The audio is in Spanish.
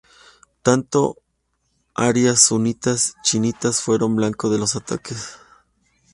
Tanto áreas sunitas y chiítas fueron blanco de los ataques.